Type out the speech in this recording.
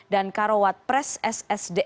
dan karawat pres ssdm